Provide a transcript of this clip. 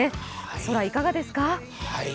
空、いかがですか？